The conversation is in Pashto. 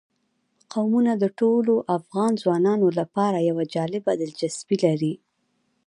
قومونه د ټولو افغان ځوانانو لپاره یوه جالبه دلچسپي لري.